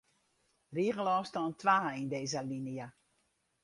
Rigelôfstân twa yn dizze alinea.